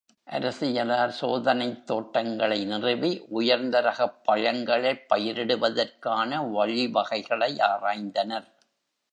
அரசியலார் சோதனைத் தோட்டங்களை நிறுவி, உயர்ந்தரகப் பழங்களைப் பயிரிடுவதற்கான வழிவகைகளை ஆராய்ந்தனர்.